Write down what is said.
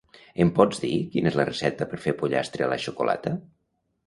Em pots dir quina és la recepta per fer pollastre a la xocolata?